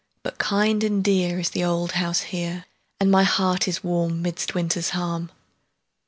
But kind and dear Is the old house here And my heart is warm Midst winter's harm.